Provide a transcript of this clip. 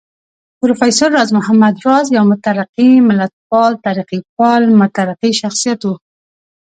پروفېسر راز محمد راز يو مترقي ملتپال، ترقيپال مترقي شخصيت و